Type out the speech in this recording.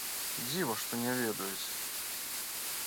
Дзіва што не ведаюць!